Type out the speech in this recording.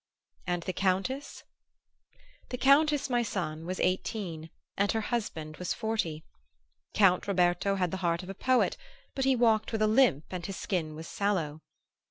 And the Countess ? The Countess, my son, was eighteen, and her husband was forty. Count Roberto had the heart of a poet, but he walked with a limp and his skin was sallow.